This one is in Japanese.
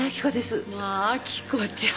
まあ明子ちゃん。